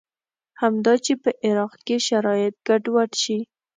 همدا چې په عراق کې شرایط ګډوډ شي.